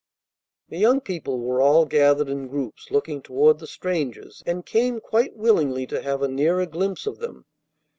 The young people were all gathered in groups, looking toward the strangers, and came quite willingly to have a nearer glimpse of them.